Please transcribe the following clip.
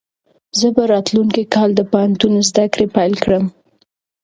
زه به راتلونکی کال د پوهنتون زده کړې پیل کړم.